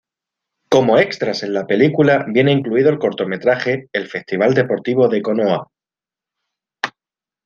Como extras en la película viene incluido el cortometraje "El festival deportivo de Konoha".